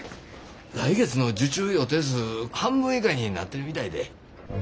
来月の受注予定数半分以下になってるみたいで。